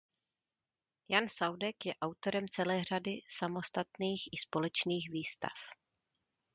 Jan Saudek je autorem celé řady samostatných i společných výstav.